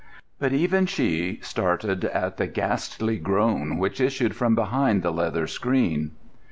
But even she started at the ghastly groan which issued from behind the leather screen.